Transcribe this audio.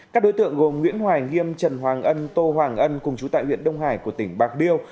các đối tượng gồm nguyễn hoài nghiêm trần hoàng ân tô hoàng ân cùng chú tại huyện đông hải của tỉnh bạc liêu